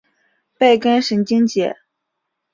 背根神经节。